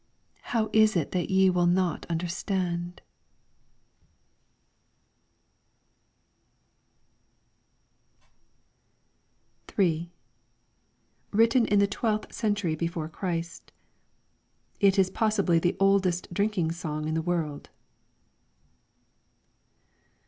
How is it that ye will not understand ? LYRICS FROM THE CHINESE III Written in the twelfth century before Christ. It is possibly the oldest drinking song in the world.